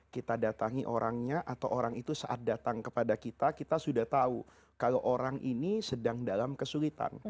kita datangi orangnya atau orang itu saat datang kepada kita kita sudah tahu kalau orang ini sedang dalam kesulitan